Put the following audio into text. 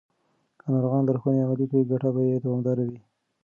که ناروغان لارښوونې عملي کړي، ګټه به یې دوامداره وي.